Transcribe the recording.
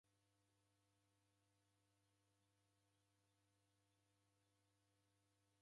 Idimei ukanirasha dakosana